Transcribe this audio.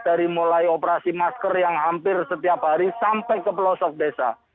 dari mulai operasi masker yang hampir setiap hari sampai ke pelosok desa